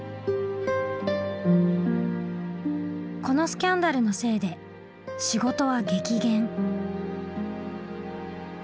このスキャンダルのせいで仕事は激減。